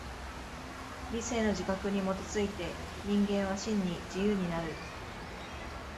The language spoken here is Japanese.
理性の自覚に基づいて人間は真に自由になる。